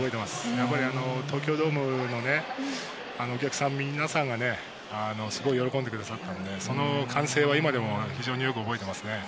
やっぱり、東京ドームのお客さん、皆さんがね、すごい喜んでくださったんで、その歓声は今でも非常によく覚えてますね。